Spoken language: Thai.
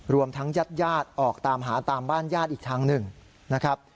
รวมทั้งญาติญาติออกตามหาตามบ้านญาติอีกทางหนึ่งนะครับ